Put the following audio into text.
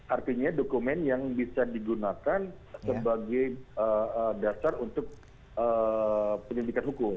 artinya dokumen yang bisa digunakan sebagai dasar untuk penyelidikan hukum